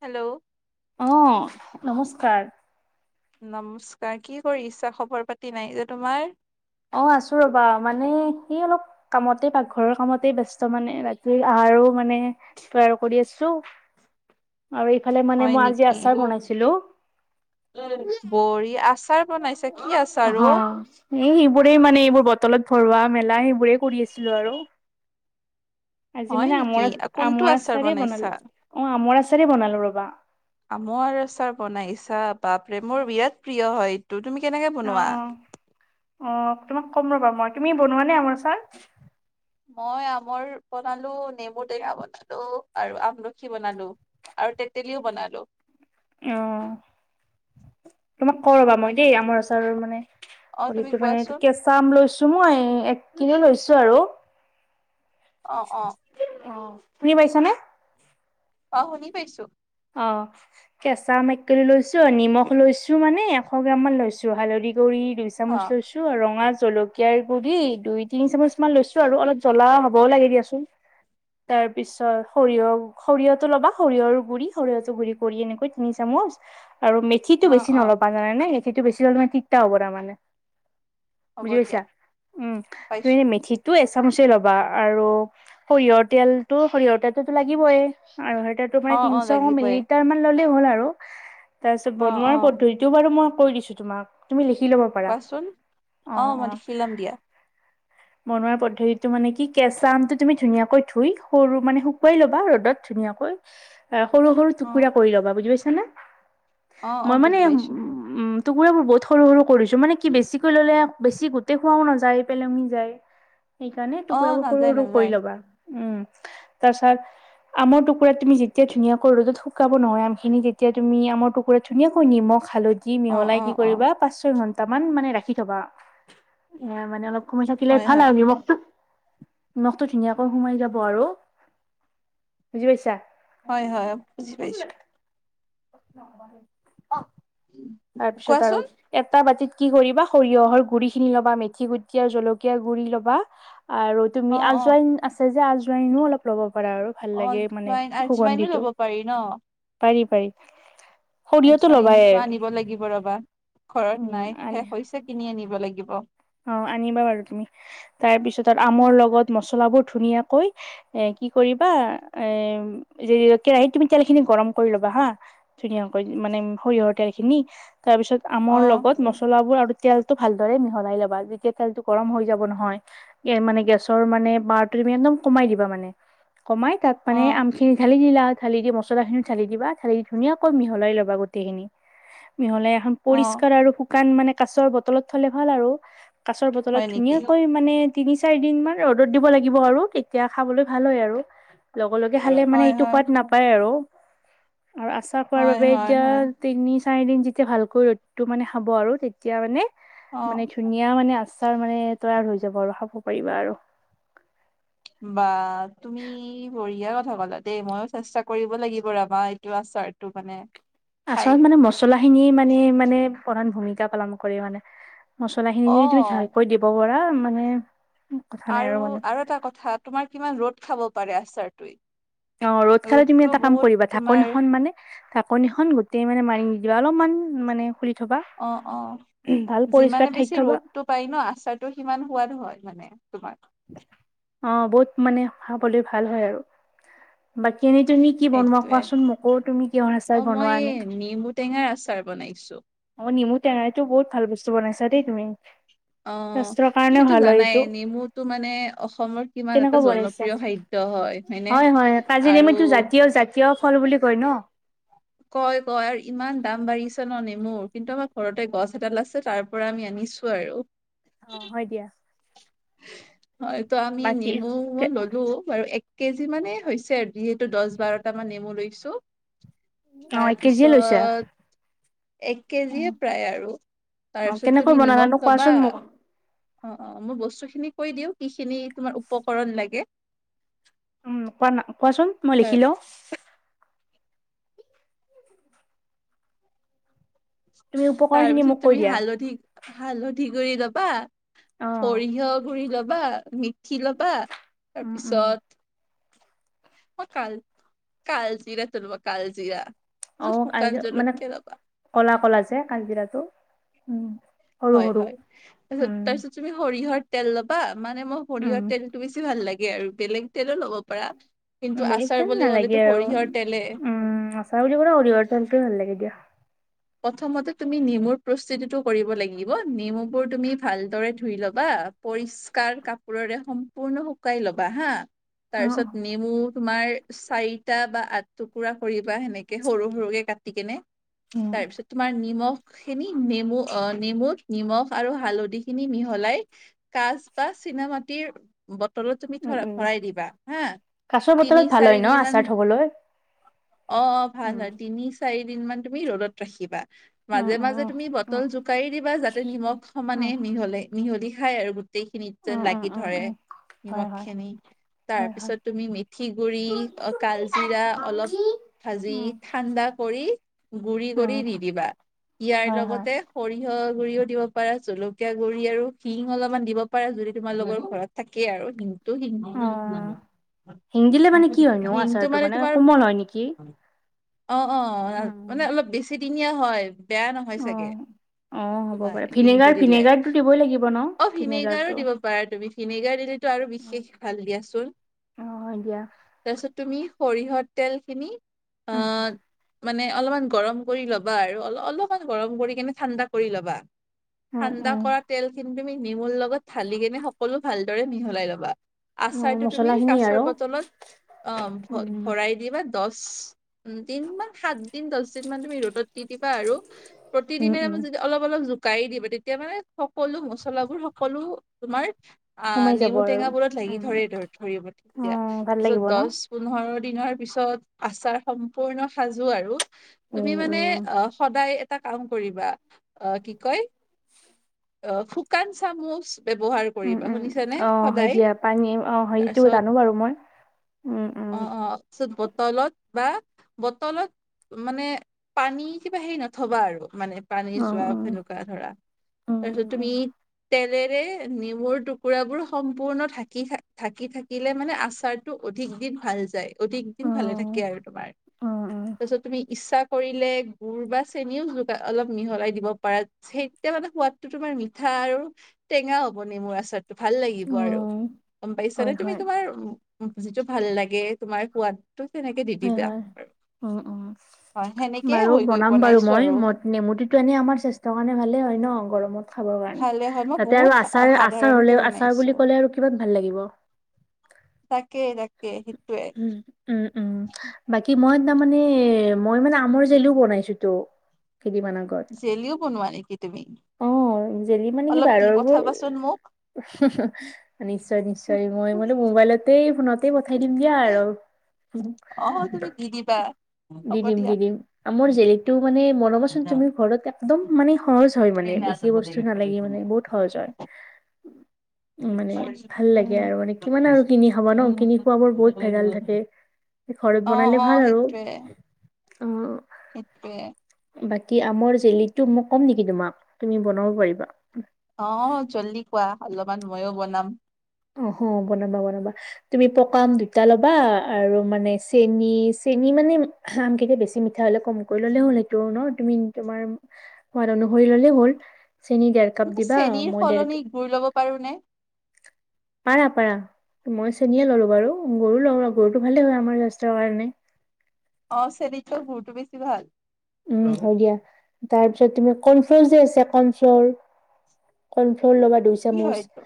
Hello. অ', নমস্কাৰ। নমস্কাৰ কি কৰি আছা। খবৰ পাতি নাই যে তোমাৰ? অ', আছো ৰ'বা, মানে সেই অলপ কামতে, পাকঘৰৰ কামতে ব্যস্ত মানে ৰাতি আহা আৰু মানে তৈয়াৰ কৰি আছো। আৰু এইফালে মানে হয় মই আজি নেকি আচাৰ বনাইছিলোঁ। বনাইছে কি অ', এই এইবোৰেই মানে, এইবোৰ বটলত ভৰোৱা মেলা, সেইবোৰে কৰি আছিলোঁ আৰু। আজি হয় মানে নেকি আমৰ আচা কোনটো আমৰ আচাৰ আচাৰেই বনাইছা বনালো অ আমৰ আচাৰেই বনালো ৰবা। আমৰ আচাৰ বনাইছা, বাপৰে মোৰ বিৰাট প্ৰিয় হয় ত', তুমি কেনেকে বনোৱা? অ', অ', তোমাক ক'ম ৰ'বা মই তুমি বনোৱা নে আমৰ আচাৰ? মই আমৰ বনালোঁ, নেমু টেঙা বনালোঁ, আৰু আমলখি বনালোঁ আৰু তেঁতেলীও বনালোঁ। অ', তোমাক কওঁ ৰ'বা মই দেই, আমৰ আচাৰৰ মানে অ তুমি হ'লেওটো মানে কোৱাচোন কেঁচা আম লৈছোঁ, এ মই এক কিলো লৈছোঁ আৰু অ অ। অ', শুনি পাইছানে? অ', শুনি পাইছোঁ। অ', কেঁচা মেকেলি লৈছোঁ, অ', নিমখ লৈছোঁ, মানে এশ গ্ৰাম মান লৈছো হালধি গৰি দুই অ চামুচ লৈছোঁ, আৰু ৰঙা জলকীয়াৰ গুৰি দুই তিনি চামুচ মান লৈছোঁ আৰু, অলপ জ্বলা হ'বও লাগে দিয়াচোন। তাৰ পিছত সৰিয়হ সৰিয়হটো ল'বা, সৰিয়হৰ গুৰি সৰিয়হটো গুৰি কৰি এনেকৈ তিনি চামুচ আৰু মেথিটো অ বেছি অ ন'লবা, জানানে। এইটো বেছি তাৰমানে কিত্যা হব তাৰমানে? হ'ব বুজি দিয়া পাইছা উম, তুমি পাইছো মেথিটো এছ চামুচেই ল'বা আৰু সৰিয়হৰ তেলতো সৰিয়হৰ তেলতো লাগিবয়ে আৰু সেই তাতো অ মানে অ তিনছ মিলি লাগিবই লিটাৰ মান ললেই হ'ল আৰু তাৰপিছত, অ অ বনোৱাৰ পদ্ধতিটো বাৰু মই কৈ দিছোঁ তোমাক, তুমি লিখি কি ল'ব পাৰা কোৱাচোন অ', মই অ', লিখি লম দিয়া বনোৱা পদ্ধতিটো মানে কি কেঁচা আমটো তুমি ধুনীয়াকৈ ধুই সৰু মানে শুকুৱাই ল'বা ৰ'দত ধুই ধুনীয়াকৈ। সৰু সৰু অ টুকুৰা কৰি ল'বা বুজি পাইছা নে অ অ মই মানে বুজি পাইছো টুকুৰাবোৰ বহুত সৰু-সৰু কৰিছোঁ, মানে কি, বেছিকৈ ল'লে আকৌ বেছি, গোটেই খুৱাও নাযায়, পেলনি যায়। সেইকাৰণে অ টুকুৰাবোৰ সৰু নাযায় সৰু কৰি নাযায় ল'বা উম তাৰপিছত আমৰ টুকুৰা তুমি যেতিয়া ধুনিয়াকৈ ৰ'দত শুকাব নোৱাৰা আমখিনি তেতিয়া তুমি আমৰ টুকুৰাত ধুনাকৈ নিমখ হালধি অ মিহলাই অ কি অ কৰিবা পাঁচ ছয় ঘন্টা মান মানে ৰাখি থবা এ মানে অলপ দিলে হয় ভাল হয় আৰু নিমখটো নিমখটো ধুনীয়াকৈ সোমাই যাব আৰু বুজি পাইছা? হয় হয় বুজি পাইছো। অ' তাৰপিছত আৰু কোৱাচোন এটা বাতিত কি কৰিবা, সৰিয়হৰ গুৰিখিনি ল'বা, মেথি গুটি আৰু জলকীয়াৰ গুৰি ল'বা আৰু অ তুমি অ আজোৱাইন আছে যে, আজোৱাইনো অলপ লব কৰা আৰু ভাল অ লাগে মানে আজৱাইন আজৱাইনো সুগন্ধিটো। ল'ব পাৰি ন পাৰি পাৰি সৰিয়হটো লবাই। আজৱাইনটো আনিব লাগিব ৰবা ঘৰত উম নাই আনি শেষ হৈছে কিনি আনিব লাগিব। অ', আনিবা বাৰু তুমি। তাৰপিছত, আমৰ লগত মছলাবোৰ ধুনীয়াকৈ কি কৰিবা কেৰাহীত তুমি তেল খিনি গৰম কৰি লবা হা, ধুনীয়াকৈ মানে সৰিয়হৰ তেলখিনি তাৰ পিছত অ আমৰ লগত মছলা বোৰ আৰু তেলটো ভালদৰে মিহলাই লব। যেতিয়া তেলটো গৰম হৈ যাব নহয় মানে গেছৰ মানে বাৰ তুমি একদম কমাই দিবা মানে কমাই তাত মানে অ আমখিনি ঢালি দিলা ঢালি দি মছলা খিনি ঢালি দিবা ঢালি দি ধুনীয়াকৈ মিহলাই লবা গোটেইখিনি। মিহলাই এখন পৰিষ্কাৰ আৰু শুকান মানে কাছৰ বটলত থলে ভাল আৰু। কাছৰ হয় বতলত নেকি ধুনীয়াকৈ মানে তিনি চাৰি দিন মান ৰ'দত দিব লাগিব আৰু তেতিয়া খাবলৈ ভাল হয় আৰু। লগে লগে খালে মানে হয় এইটো হয় সোৱাদ নাপায় আৰু। আৰু আচাৰ খোৱাৰ হয় বাবে হয় এতিয়া, হয় তিনি চাৰিদিন যেতিয়া ভালকৈ ৰ'দটো মানে খাব আৰু, তেতিয়া মানে মানে অ'। ধুনীয়া মানে, আচাৰ মানে, তৈয়াৰ হৈ যাব আৰু খাব পাৰিবা আৰু বা তুমি বঢ়িয়া কথা হ'বলা দেই, মইও চেষ্টা কৰিব লাগিব এবাৰ, এইটো আচাৰটো মানে খাই আচলত মানে মচলা খিনি মানে মানে প্ৰধান ভূমিকা পালন কৰে মানে। মছলাখিনি তুমি অ ভালকৈ দিব পাৰা মানে কথা নাই আৰু, মানে আৰু এটা কথা, তোমাৰ কিমান ৰ'দ খাব পাৰে আচাৰটোৱে? অ' ৰ'দ খালে তুমি ৰ'দটো এটা কাম বহুত কৰিবা তোমাৰ ঢাকোনখন মানে থা ধাকণীখন গোটেই মানে মাৰি নিদিবা, অলপমান মানে খুলি থবা অ' অ' ভাল পৰিষ্কাৰ যিমানে ঠাইত বেছি থবা ৰ'দটো পাই ন আচাৰটো সিমান সোৱাদ হয় মানে তোমাৰ অ' বহুত মানে খাবলৈ ভাল হয় আৰু বাকী এনেই তুমি কি বনোৱা সেইটোৱে কোৱাচোন মোকো তুমি কিহৰ আচাৰ অ মই বনোৱা আনে? নেমু টেঙাৰ আচাৰ বনাইছো। অ' নেমু টেঙাৰটো বহুত ভাল বস্তু বনাইছা দেই তুমি। অ স্বাস্থ্যৰ কাৰণেও সেইতো ভাল হয় জানাই এইটো নেমুতো মানে অসমৰ কিমান এটা কেনেকৈ বনাইছা জনপ্ৰিয় খাদ্য। হয় হয়নে হয় হয়, কাজিৰ আৰু নেমু জাতীয় জাতীয় ফল বুলি কয় ন? কয় কয় আৰু ইমান দাম বাঢ়িছে ন নে মোৰ কিন্তু আমাৰ ঘৰতে গছ এডাল আছে তাৰ পৰা আমি আনিছো আৰু। অ হয় দিয়া। হয় এইটো আমি বাকী নেমু মই ললো বাৰু কেজি মানেই হৈছে যিহেতু দশ বাৰটামান নেমু লৈছো। অ এক কেজিয়ে লৈছা তাৰপিছত এক কেজিয়ে প্ৰায় আৰু অ তাৰপিছত কেনেকৈ তুমি নিমখ বনালানো লবা কোৱাচোন মোক অ অ মই বস্তুখিনি কই দিওঁ কি খিনি তোমাৰ উপকৰণ লাগে। উম কোৱা না কোৱাচোন মই তাৰ লিখিলোঁ। তুমি উপকাৰখিনি তাৰপিছত মোক কৈ তুমি দিয়া। হালধি হালধি পুধি গুৰি লবা, অ', সৰিয়হ গুৰি লবা, মি ঠি ল'বা তাৰ উম, উম, পিছত ম কাল, কলজিৰাটো লবা কালজিৰা। অ তাৰপিছত শুকান মানে জলকীয়া ল'বা কলা কলা যে কালজিৰা উম সৰু হয় সৰু। হয়, তাৰছ উম, তাৰপিছত তুমি সৰিহৰ তেল ল'বা মানে মই উম, শৰিহৰ তেলতটো বেছি ভাল লাগে আৰু বেলেগ তেলো ল'ব পাৰা। কিন্তু বেলেগ আচাৰ তেল বুলি নালাগে ক'লেটো আৰু। শৰিহৰ তেলে উম আছা বুলি ক'লে হলে হয় ত হেইটোৱে ভাল লাগে দিয়া। প্ৰথমতে তুমি নেমুৰ প্ৰস্তুতিটো কৰিব লাগিব নেমু বোৰ তুমি ভালদৰে ধুই লবা পৰিষ্কাৰ কাপোৰৰে সম্পূৰ্ণ শুকাই ল'বা হা অ', তাৰপিছত নেমু তোমাৰ, চাৰিটা বা আঠ টুকুৰা কৰিবা সেনেকে সৰু সৰুকে কাটি কেনে। উম, তাৰপিছত তোমাৰ নিমখ খিনি নেমু অ নেমু নিমখ আৰু হালধি খিনি মিহলাই কাচ বটল চিনা মাটিৰ ব তুমি উম, উম, ভৰাই দিবা হা কাছৰ বটলত তিনি ভাল হয় ন' আচাৰ চাৰিদিন থ'বলৈ? অ ভাল উম। ভাল তিনি চাৰি দিন মান তুমি ৰ'দত ৰাখিবা। উম, মাজে উম, মাজে উম, তুমি উম, বটল জোকাৰি দিবা যাতে নিমখ উম, সমানে মিহলে, মিহলি খাই আৰু গোটেইখিনিত উম, যেন উম, লাগি উম, ধৰে। উম। হয়, নিমখ হয়, খিনি হয়, হয়, তাৰপিছত তুমি মেথি গুৰি, কালজিৰা অলপ ভাজি উম, ঠাণ্ডা কৰি গুৰি উম, কৰি নিদিবা ইয়াৰ হয়, হয়, লগতে সৰিয়হ গুৰিও দিব পাৰা, জলকীয়া গুড়ি আৰু শিং অলপমান দিব পাৰা যদি তোমালোকৰ ঘৰত থাকে আৰু শিং ত হি শিং দিলে মানে কি হয়নো আচাৰটো মানে তোমাৰ কোমল হয় নেকি? অ অ মানে অলপ বেছিদিনীয়া হয় বেয়া নহয় অ চাগে। অ', হ'ব তোমাৰ পাৰে শিংটো ভিনেগাৰ দিলে ভিনেগাৰটো দিবই লাগিব ন অ ভিনেগাৰো ভিনেগাৰটো দিব পাৰা তুমি ভিনেগাৰ দিলে আৰু বিশেষ ভাল দিয়াচোন, অ হয় দিয়া তাৰপিছত তুমি সৰিয়হত তেল খিনি, উম অ' মানে অলপমান গৰম কৰি ল'বা আৰু অল অলপমান গৰম কৰি কেনে ঠাণ্ডা কৰি ল'বা, ‌ উম ঠাণ্ডা উম কৰা তেল খিনি তুমি নেমুৰ লগত ধালী কিনে সকলো ভালদৰে মিহলাই ল'বা। অ আচাৰটো তুমি মছলাখিনি কাছৰ আৰু বটলত অ ভ উম ভৰাই দিবা দশ দিন মান সাত দিন দশ দিন মান তুমি ৰ'দত দি দিবা আৰু উম প্ৰতিদিনে উম য অলপ অলপ জ গাইি [unintelligible] দিব তেতিয়া মানে সকলো মচলাাবোৰ, সকলো তোমাৰ সোমাই যাব নেমু আৰু টেঙাবোৰত লাগি উম ধৰে ধৰিব অ তেতিয়া ভাল তাৰপিছত লাগিব ন দশ পোন্ধৰ দিনৰ পিছত আচাৰ সম্পূৰ্ণ সাজো আৰু তুমি উম মানে উম অ সদায় এটা কাম কৰিবা, অ কি কয় অ শুকান চামুচ ব্যৱহাৰ উম কৰিবা উম শুনিছানে অ হয় সদায় দিয়া পানী অ হয় সেইটো তাৰপিছত জানো বাৰু মই উম উম অ অ আচত ব তলত বা বটলত মানে পানী কিবা হেৰি নথবা আৰু মানে পানী অ জোৱা অ সেনেকুৱা ধৰা উম তাৰপিছত উম তুমি উম তেলেৰে নেমুৰ টুকুৰাবোৰ সম্পূৰ্ণ থাকি থাকি থাকিলে মানে আচাৰতটো অধিক দিন ভাল যায় অধিক অ দিন ভালে থাকে আৰু তোমাৰ অ তাৰপিছত তুমি ইচ্ছা কৰিলে গুৰ বা চেনিও জোক অলপ মিহলাই দিব পাৰা সেইতিয়া মানে সোৱাদটো তোমাৰ মিঠা আৰু টেঙা হ'ব নেমুৰ আচাৰটো ভাল লাগিব অ আৰু গম পাইছানে হয় তুমি হয় তোমাৰ যিটো ভাল লাগে তোমাৰ সোৱাত হয় হয় উম উম হয় সেনেকে বাৰু হৈ গৈ বনাম বাৰু বনাইছো মই আৰু নেমুটো এনে আমাৰ স্বাস্থ্যৰ কাৰণে ভালে হয় ন গৰমত। খাবৰ কাৰণে ভালে হয় মই তাতে বহুত আৰু সা- আচাৰ আচাৰ সাধাৰণকে হলে আচাৰ বনাইছো বুলি ক'লে আৰু কিমান ভাল লাগিব তাকেই তাকেই উম উম উম বাকী মই তাৰ মানে মই মানে আমৰ জেলিও বনাইছো তো কেইদিনমান আগত জেলিও বোনোৱা নেকি তুমি অ জেলি মানে কি অলপ দি বাৰৰবোৰ পঠাবাচোন মোক নিশ্চয় নিশ্চয় মই মানে মোবাইলতে ফোনতে পঠাই দিম দিয়া আৰু অ তুমি কিনিবা দি দিম দি দিম মোৰ জেলিটো মানে মৰমত চোন তুমি ঘৰত একদম মানে সহজ হয় মানে বেছি বস্তু নালাগে মানে বহুত সহজ হয় [unintelligible] অ মানে ভাল লাগে আৰু মানে কিমান আৰু কিনি খাবা ন কিনি খোৱাবোৰ বহুত ভেজাল থাকে ঘৰত বনালে অ ভাল আৰু সেইটোৱেই অ সেইটোৱেই বাকী আমৰ জেলিটো মোক ক'ম নেকি তোমাক তুমি বনাব পাৰিবা অ জল্দি কোৱা অলপমান ময়ো বনাম অহ বনাবা বনাবা তুমি পকা আম দুটা ল'বা আৰু মানে চেনী চেনি মানে আম কেইটা বেছি মিঠা হলে কম কৰি ললে হ'ল সেইটো ন তুমি তোমাৰ সোৱাদ ধৰি ললেই হ'ল চেনি ডেৰ কাপ দিবা চেনিৰ মই দেৰ সলনি গুৰ লব পাৰো নে পাৰ পাৰা মই চেনীয়েে ললো বাৰু গৰু লওঁ গৰুটো ভালে হয় আমাৰ স্বাস্থ্যৰ কাৰণে অ চেনিতকৈ গুৰটো বেছি ভাল উম হয় দিয়া তাৰ পিছত তুমি কৰ্ণফ্ল'ৰ যে আছে কৰ্ণফ্ল'ৰ কৰ্ণফ্লৰ ল'বা দুই কি হয় চামুচ এইটো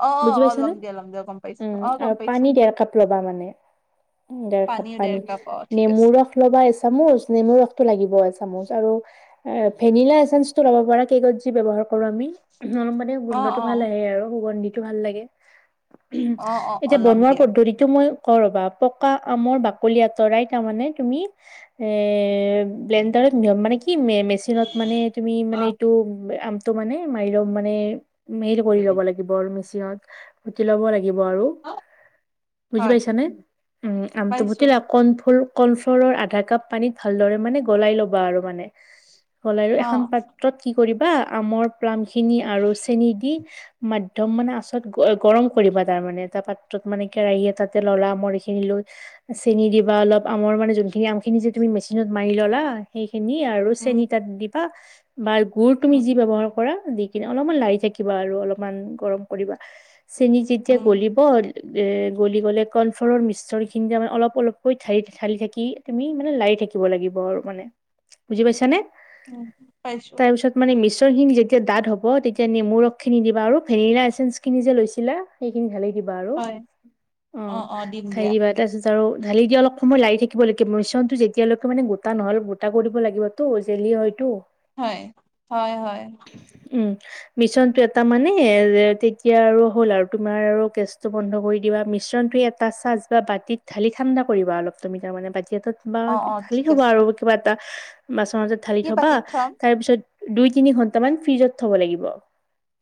অ বুজি অ ল'ম পাইছানে দিয়া ল'ম দিয়া গম পাইছো উম অ গম আৰু পাইছো পানীত ডেৰ কাপ ল'বা মানে ডেৰ কাপ পানীও ডেৰ পানী কাপ অ ঠিক নেমুৰ আছে ৰস ল'বা এচামুচ নেমুৰ ৰসটো লাগিব এচামুচ আৰু ভেনিলা এচামুচ টো লব পাৰা কেকত যি ব্যৱহাৰ কৰো আমি অলপ মানে অ গোন্ধটো অ ভাল আহে আৰু সুগন্ধিটো ভাল লাগে উ অ অ অ এতিয়া ল'ম বনোৱাৰ দিয়া পদ্ধতিটো মই কৰ ৰ'বা পকা আমৰ বাকলি আঁতৰাই তাৰমানে তুমি এ ব্লেনণ্ডাৰত মানে কি মেচিনত মানে তুমি মানে এইটো টো মানে মাৰি লম মানে মিৰ কৰি ল'ব লাগিব আৰু মেচিনত পুতি ল'ব লাগিব। ল আৰু বুজি হয় পাইছ নে উম আমটো ভুট পাইছো লা কণ ফুল কৰ্ণফ্ল'ৰৰ আধা কাপ পানীত ভালদৰে মানে গলাই ল'বা আৰু মানে। হ'ল আৰু অ এখন পাত্ৰত কি কৰিবা আমৰ প্লাম খিনি আৰু চেনি দি মাধ্যম মানে আচত গৰম কৰিবা [unintelligible] এটা পাত্ৰত মানে কেৰাহী এটা তাতে ললা আমাৰখিনি লৈ চেনি দিবা অলপ আমৰ মানে যোনখিনি আমখিনি যে তুমি মেচিনত মাৰি ললা সেইখিনি আৰু উম চেন তাত দিবা বা গুৰ তুমি উম যি ব্যৱহাৰ কৰা দি স কিনে অলপমান লাই থাকিবা আৰু অলপমান গৰম কৰিবা চেনী যেতিয়া উম গলিব এ গলি গ'লে কৰ্নফ্লৰ মিশ্ৰৰখিনি তাৰে অলপ অলপকৈ ঢালি ঢালি থাকি তুমি মানে লাৰি থাকিব লাগিব আৰু মানে বুজি পাইছা নে? উম পাইছো। চনখিনি যেতিয়া দাঠ হ'ব তেতিয়া নেমু ৰসখিনি দিবা আৰু ভেৰিনা এচেঞ্চখিনি যে লৈছিলা সেইখিনি ঢালি দিবা আৰু হয় অ থাই দিবা তাৰপিছত জাৰু ঢালি দি অলপ সময় লাৰি থাকিবাগে মিশ্ৰণটো যেতিয়ালৈকে মানে বূটা নহ'ল বুটা কৰিব লাগিব টো জেলি হয়তো। হয় হয় হয়। মিছনটো এটা মানে তেতিয়া আৰু হ'ল আৰু তোমাৰ আৰু গেছটো বন্ধ কৰি দিবা মিছ মিশ্ৰণটো এটা চ বাতিত ঢালি ঠাণ্ডা কৰিবা অলপ তাৰমানে বা তে বা অ অ ঢালি ঠিক থবা আছে আৰু কিবা এটা বাচন মাজত ঢালি কি থবা বাতিত থম তাৰ পিছত দুই তিনি ঘন্টামান ফ্ৰিজত থ'ব লাগিব।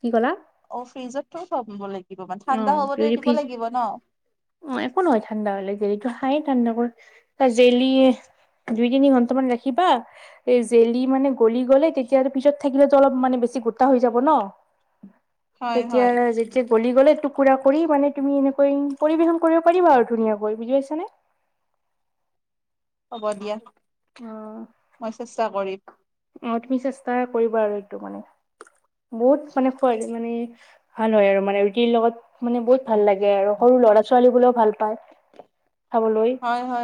কি ক'লা অ ফ্ৰিজতটো থ লাগিব মানে ঠাণ্ডা হ'বতে দিব লাগিব ন। উ একো নহয় ঠাণ্ডা হলে জেলো খায়ে ঠাণ্ডা কৰ ত জেলি দুই তিনি ঘণ্টা মান ৰাখিবা এই জেলি মানে গলি গ'লে তেতিয়া আৰু পিছত থাকিলেতো অলপ মানে বেছি গোটা হৈ যাব ন হয় তেতিয়া হয় যেতিয়া গলি গ'লে তোক পুৰা কৰি মানে তুমি এনেকৈ পৰিবেশন কৰিব পাৰিবা আৰু ধুনীয়াকৈ বুজি পাইছানে [unintelligible] হ'ব দিয়া মই চেষ্টা কৰিম। অ, তুমি চেষ্টা কৰিবা আৰু এইটো মানে। বহুত মানে খ মানে ভাল হয় আৰু মানে ৰুটিৰ লগত মানে বহুত ভাল লাগে আৰু সৰু ল'ৰা ছোৱালী গুলোও ভাল পায় খাবলৈ। হয় হয়